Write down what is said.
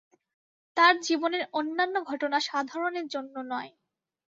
তাঁর জীবনের অন্যান্য ঘটনা সাধারণের জন্য নয়।